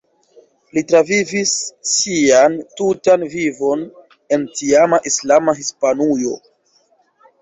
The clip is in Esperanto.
Li travivis sian tutan vivon en tiama islama Hispanujo.